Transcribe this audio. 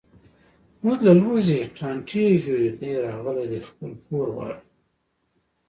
موږ له لوږې ټانټې ژویو، دی راغلی دی خپل پور غواړي.